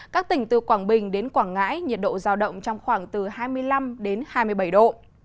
các tỉnh từ quảng bình đến quảng ngãi nhiệt độ giao động trong khoảng từ hai mươi năm đến hai mươi bảy độ